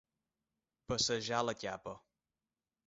Passejar la capa.